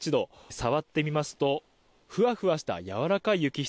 触ってみますとふわふわした柔らかい雪質。